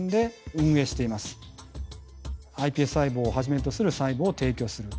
ｉＰＳ細胞をはじめとする細胞を提供する。